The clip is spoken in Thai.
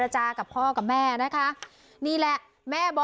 ถ้ามึงกล้าทำมึงก็กล้ารับ